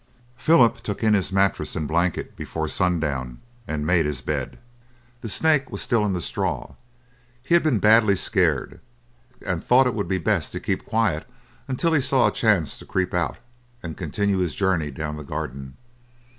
Philip took in his mattress and blanket before sundown and made his bed. The snake was still in the straw; he had been badly scared, and thought it would be best to keep quiet until he saw a chance to creep out, and continue his journey down the garden.